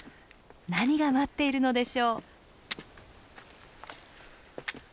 何が待っているのでしょう？